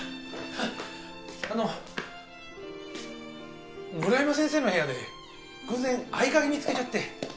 あの村山先生の部屋で偶然合鍵見つけちゃって。